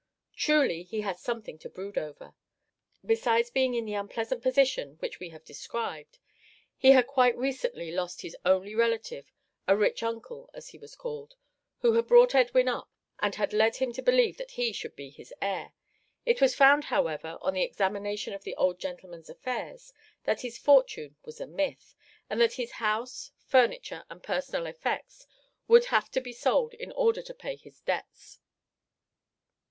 Truly he had something to brood over. Besides being in the unpleasant position which we have described, he had quite recently lost his only relative, a "rich uncle," as he was called, who had brought Edwin up and had led him to believe that he should be his heir. It was found, however, on the examination of the old gentleman's affairs, that his fortune was a myth, and that his house, furniture, and personal effects would have to be sold in order to pay his debts.